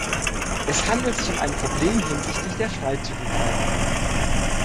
Es handelt um ein Problem hinsichtlich der Freizügigkeit.